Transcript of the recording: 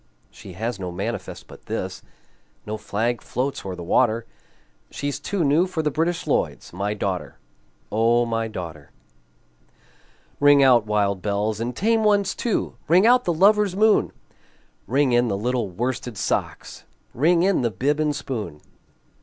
She has no manifest but this, No flag floats o'er the water, She's too new for the British Lloyds My daughter, O my daughter! Ring out, wild bells, and tame ones too! Ring out the lover's moon! Ring in the little worsted socks! Ring in the bib and spoon!